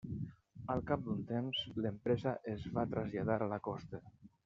Al cap d'un temps, l'empresa es va traslladar a la costa.